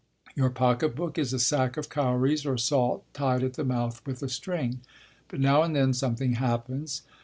Your pocketbook is a sack of cowries or salt tied at the mouth with a string. But now and then something happens.